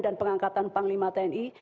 dan pengangkatan panglima tni